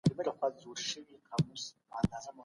پوهنتونونه د زعفرانو په اړه څېړنې کوي.